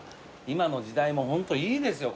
今の時代もホントいいですよ